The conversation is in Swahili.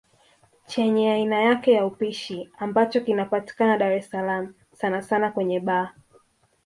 Chenye aina yake ya upishi ambacho kinapatikana Dar es salaam sana sana kwenye baa